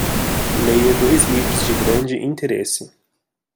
Leia dois livros de grande interesse